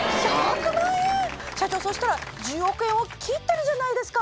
社長そうしたら１０億円を切ってるじゃないですか！